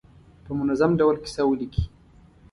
په منظم ډول کیسه ولیکي.